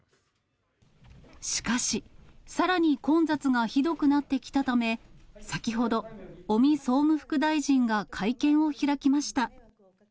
しかし、さらに混雑がひどくなってきたため、先ほど、尾身総務副大臣が会見を開きました。